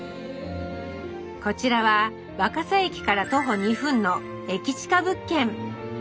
こちらは若桜駅から徒歩２分の駅チカ物件。